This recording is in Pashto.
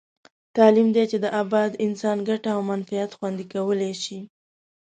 تعلیم دی چې د اباد انسان ګټه او منفعت خوندي کولای شي.